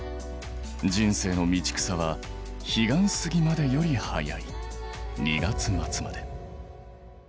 人生の「道草」は「彼岸過迄」より早い２月末まで。